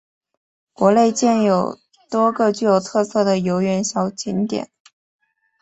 园内建有多个具有特色的游园小景点。